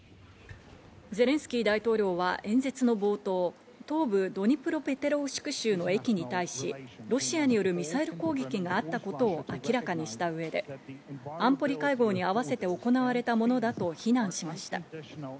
ゼレンスキー大統領は、演説の冒頭、東部ドニプロペトロウシク州の駅に対し、ロシアによるミサイル攻撃があったことを明らかにした上で、安保理会合に合わせて行われたものだと非難しました。